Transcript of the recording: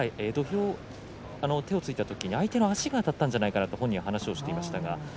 土俵に手をついたときに相手の足があたったんじゃないかそんな話をしていました。